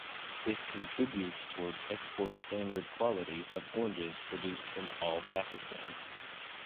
It contributes towards export standard quality of oranges produced in all Pakistan.